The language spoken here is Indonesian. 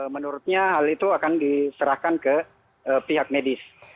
menurutnya hal itu akan diserahkan ke pihak medis